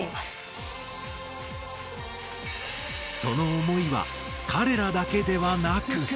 その思いはかれらだけではなく。